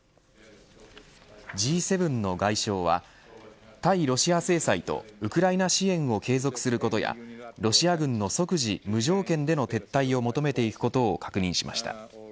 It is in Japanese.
Ｇ７の外相は対ロシア制裁とウクライナ支援を継続することやロシア軍の即時、無条件での撤退を求めていくことを確認しました。